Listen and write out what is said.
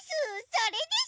それです！